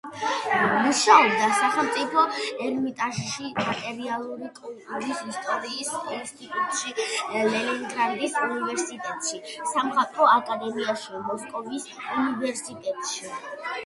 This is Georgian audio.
მუშაობდა სახელმწიფო ერმიტაჟში, მატერიალური კულტურის ისტორიის ინსტიტუტში, ლენინგრადის უნივერსიტეტში, სამხატვრო აკადემიაში, მოსკოვის უნივერსიტეტში.